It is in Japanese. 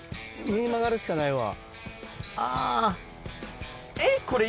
右に曲がるしかないわ。